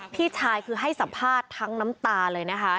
พี่ชายคือให้สัมภาษณ์ทั้งน้ำตาเลยนะคะ